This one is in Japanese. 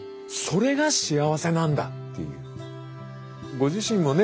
ご自身もね